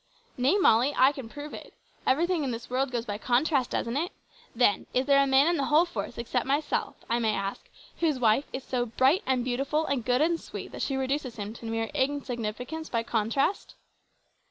"Nay, Molly, I can prove it. Everything in this world goes by contrast, doesn't it? then, is there a man in the whole force except myself, I ask, whose wife is so bright and beautiful and good and sweet that she reduces him to mere insignificance by contrast?"